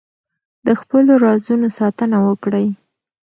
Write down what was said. د خپلو رازونو ساتنه وکړئ.